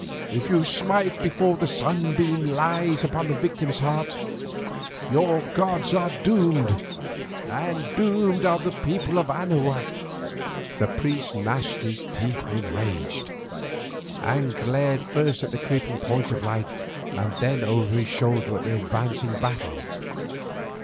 If you smite before the sunbeam lies upon the victim's heart, your gods are doomed and doomed are the people of Anahuac." The priest gnashed his teeth with rage, and glared first at the creeping point of light and then over his shoulder at the advancing battle.